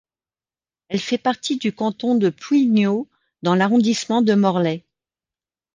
Elle fait partie du canton de Plouigneau, dans l'arrondissement de Morlaix.